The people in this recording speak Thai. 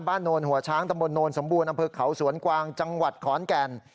โนนหัวช้างตำบลโนนสมบูรณ์อำเภอเขาสวนกวางจังหวัดขอนแก่น